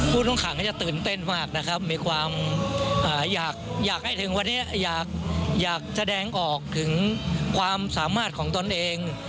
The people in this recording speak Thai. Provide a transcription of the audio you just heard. ผู้ต้องขังจะตื่นเต้นมากนะครับอยากแสดงออกถึงความสามารถของตนเอง